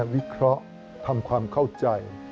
วิเคราะห์ทำความเข้าใจ